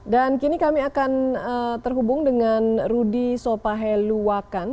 dan kini kami akan terhubung dengan rudi sopaheluwakan